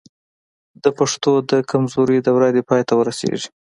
د پښتو د کمزورۍ دور دې پای ته ورسېږي.